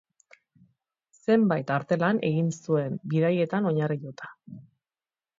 Zenbait artelan egin zuen bidaietan oinarrituta.